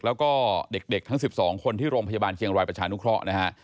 แล้วก็เด็กทั้ง๑๒คนที่โรงพยาบาลเกียงรวายประชานุคระ